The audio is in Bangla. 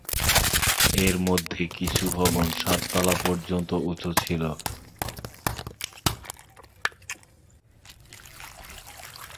এর মধ্যে কিছু ভবন সাত তলা পর্যন্ত উঁচু ছিল এবং এসব ভবনে কয়েকশত মানুষ থাকতে পারত।